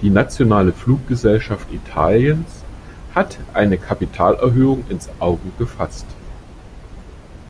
Die nationale Fluggesellschaft Italiens hat eine Kapitalerhöhung ins Auge gefasst.